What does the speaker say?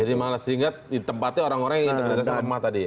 jadi malah sehingga tempatnya orang orang yang integritasnya lemah tadi ya